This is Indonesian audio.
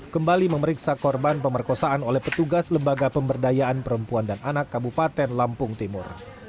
kembali memeriksa korban pemerkosaan oleh petugas lembaga pemberdayaan perempuan dan anak kabupaten lampung timur